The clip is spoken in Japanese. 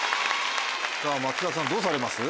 松田さんどうされます？